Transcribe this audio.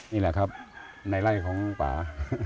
นี่แหละครับในไล่ของป่า